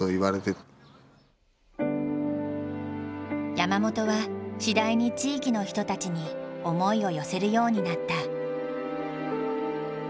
山本は次第に地域の人たちに思いを寄せるようになった。